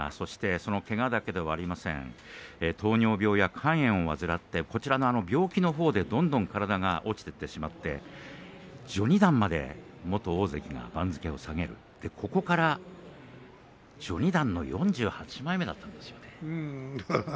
そのけがだけではありません、糖尿病や肝炎も患って病気のほうでどんどん体が落ちていってしまって序二段まで元大関が番付を下げてここから序二段の４８枚目だったんですよね。